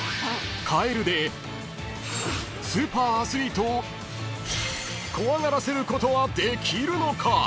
［カエルでスーパーアスリートを怖がらせることはできるのか？］